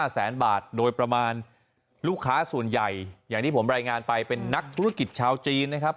แสนบาทโดยประมาณลูกค้าส่วนใหญ่อย่างที่ผมรายงานไปเป็นนักธุรกิจชาวจีนนะครับ